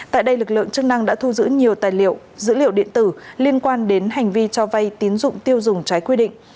tại đây lực lượng chức năng đã thu giữ nhiều tài liệu dữ liệu điện tử liên quan đến hành vi cho vay tín dụng tiêu dùng trái quy định